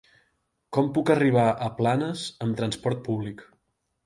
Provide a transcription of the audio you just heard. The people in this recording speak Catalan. Com puc arribar a Planes amb transport públic?